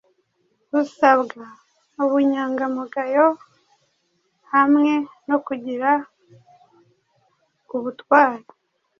Usabwa ubunyangamugayo hamwe no kugira ubutwari.